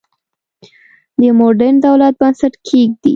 د موډرن دولت بنسټ کېږدي.